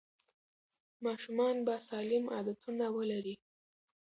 ماشومان به سالم عادتونه ولري.